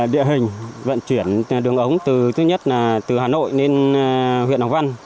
địa hình vận chuyển đường ống từ hà nội đến huyện hồng văn